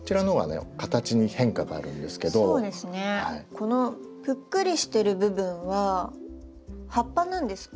このぷっくりしてる部分は葉っぱなんですか？